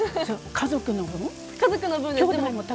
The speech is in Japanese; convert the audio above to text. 家族の分です。